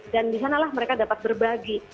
dan disanalah mereka dapat berbagi